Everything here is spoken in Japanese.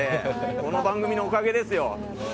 この番組のおかげですよ。